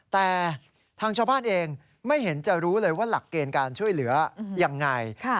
แต่ทางชาวบ้านเองไม่เห็นจะรู้เลยว่าหลักเกณฑ์การช่วยเหลือยังไง